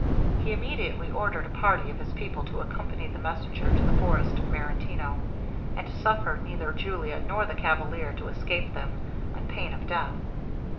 He immediately ordered a party of his people to accompany the messenger to the forest of Marentino, and to suffer neither Julia nor the cavalier to escape them, on pain of death.